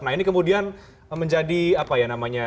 nah ini kemudian menjadi apa ya namanya